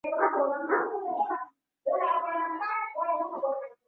ohalisi na wa haraka lakini na dhani kunauwezekano